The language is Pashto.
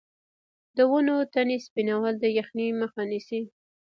د ونو تنې سپینول د یخنۍ مخه نیسي؟